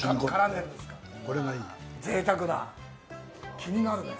気になるね。